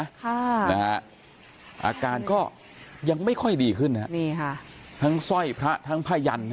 ค่ะนะฮะอาการก็ยังไม่ค่อยดีขึ้นฮะนี่ค่ะทั้งสร้อยพระทั้งผ้ายัน